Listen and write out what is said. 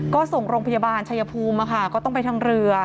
ก็ส่งโรงพยาบาลชายภูมิก็ต้องไปทางเรือ